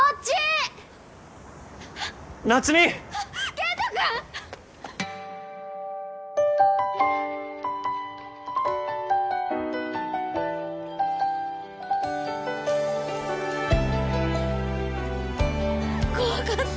健人君！怖かった！